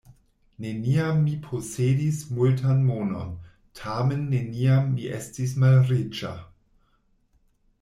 Neniam mi posedis multan monon, tamen neniam mi estis malriĉa.